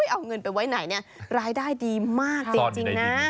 เอาเงินไปไหนรายได้ดีมากจริงนะ